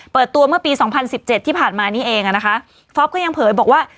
เปิดตัวเมื่อปีสองพันสิบเจ็ดที่ผ่านมานี้เองอ่ะนะคะฟอปก็ยังเผยบอกว่า